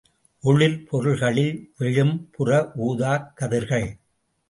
ஒளிர்பொருள்களில் விழும் புறஊதாக் கதிர்கள்.